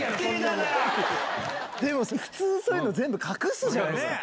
でも普通、そういうの全部隠すじゃないですか。